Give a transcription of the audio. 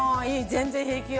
全然平気よ。